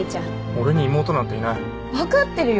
俺に妹なんていないわかってるよ